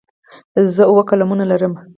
زه اووه قلمونه لرم.